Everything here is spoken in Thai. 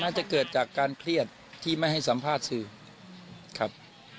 น่าจะเกิดจากการเครียดที่ไม่ให้สัมภาษณ์สื่อครับ